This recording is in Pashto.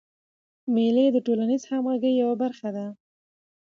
مېلې د ټولنیزي همږغۍ یوه برخه ده.